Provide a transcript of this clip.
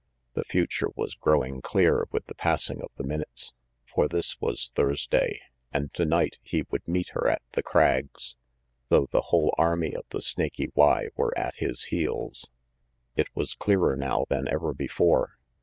The future was growing clear with the passing of the minutes. For this was Thursday, and tonight he would meet her at The Crags, though the whole army of the Snaky Y were at his heels. It was clearer now than ever before.